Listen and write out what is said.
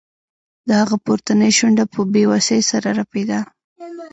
د هغه پورتنۍ شونډه په بې وسۍ سره رپیده